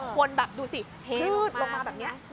คนแบบดูสิพลืดลงมาแบบนี้